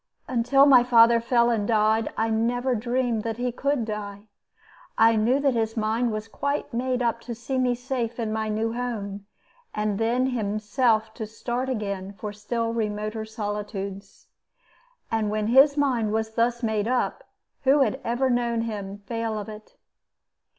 Until my father fell and died I never dreamed that he could die. I knew that his mind was quite made up to see me safe in my new home, and then himself to start again for still remoter solitudes. And when his mind was thus made up, who had ever known him fail of it?